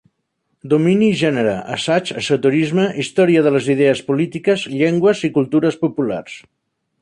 Domini i gènere: assaigs, esoterisme, història de les idees polítiques, llengües i cultures populars.